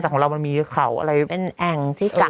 แต่ของเรามันมีเขาอะไรเป็นแอ่งที่เก่า